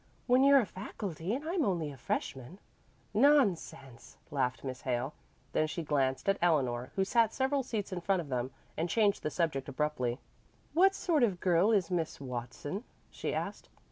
"When you're a faculty and I'm only a freshman." "Nonsense," laughed Miss Hale. Then she glanced at Eleanor, who sat several seats in front of them, and changed the subject abruptly. "What sort of girl is Miss Watson?" she asked.